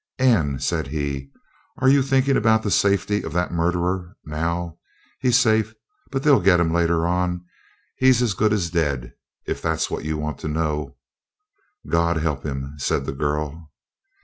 "Anne," said he, "are you thinking about the safety of that murderer now? He's safe, but they'll get him later on; he's as good as dead, if that's what you want to know." "God help him!" said the girl.